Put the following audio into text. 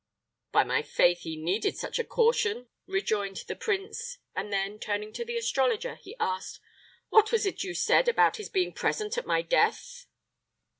"By my faith, he needed such a caution," rejoined the prince; and then, turning to the astrologer, he asked, "What was it you said about his being present at my death?"